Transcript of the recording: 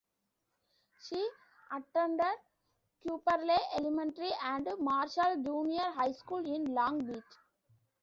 She attended Cubberley Elementary and Marshall Junior High School in Long Beach.